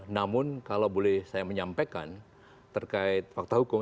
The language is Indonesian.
namun kalau boleh saya menyampaikan terkait fakta hukum